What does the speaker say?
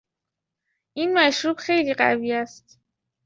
این مشروب خیلی قوی است.